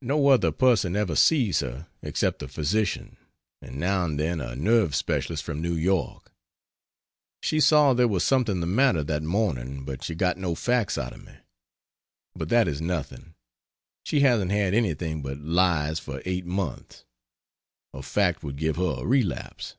No other person ever sees her except the physician and now and then a nerve specialist from New York. She saw there was something the matter that morning, but she got no facts out of me. But that is nothing she hasn't had anything but lies for 8 months. A fact would give her a relapse.